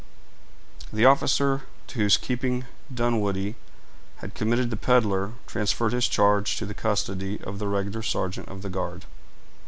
The officer to whose keeping Dunwoodie had committed the peddler transferred his charge to the custody of the regular sergeant of the guard.